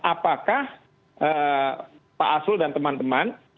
apakah pak arsul dan teman teman